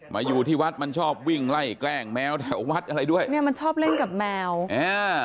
อยู่ที่วัดมันชอบวิ่งไล่แกล้งแมวแถววัดอะไรด้วยเนี้ยมันชอบเล่นกับแมวอ่า